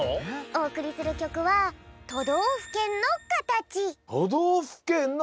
おおくりするきょくは「都道府県の」。